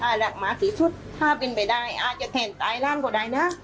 อาหลังมาสิธุฑ์ท่าเป็นไปได้อาจะแทนตายล่างก็ได้นะ